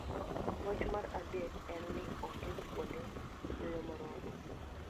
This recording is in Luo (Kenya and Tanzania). Wach mar adek en ni, onge kuonde yweyo moromo.